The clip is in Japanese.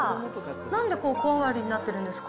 なんで小上がりになってるんですか。